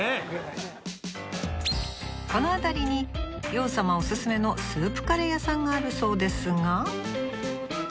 この辺りに洋さまオススメのスープカレー屋さんがあるそうですが。